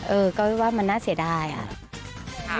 เออก็ว่ามันน่าเสียดายอะ